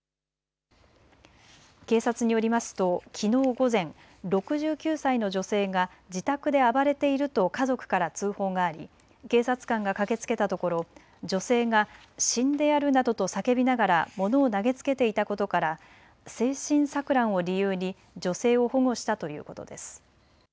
警察によりますときのう午前、６９歳の女性が自宅で暴れていると家族から通報があり警察官が駆けつけたところ女性が死んでやるなどと叫びながら物を投げつけていたことから精神錯乱を理由に女性を保護したということです。